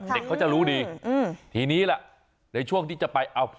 เด็กเขาจะรู้ดีทีนี้ล่ะในช่วงที่จะไปเอา